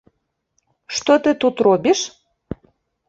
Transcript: Што ты тут робіш?